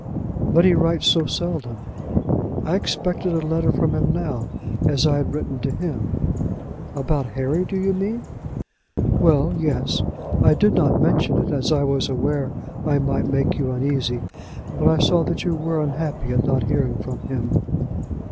"But he writes so seldom." "I expected a letter from him now, as I had written to him." "About Harry, do you mean?" "Well; yes. I did not mention it, as I was aware I might make you uneasy. But I saw that you were unhappy at not hearing from him."